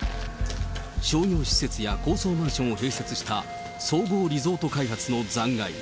商業施設や高層マンションを併設した総合リゾート開発の残骸。